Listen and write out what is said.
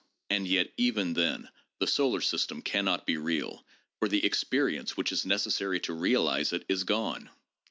And yet even then the solar system cannot be real, for the experience which is necessary to realize it is gone.